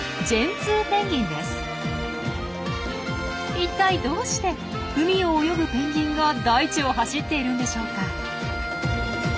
いったいどうして海を泳ぐペンギンが大地を走っているんでしょうか？